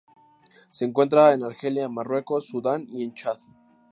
Se encuentra en Argelia, Marruecos, Sudán y en Chad.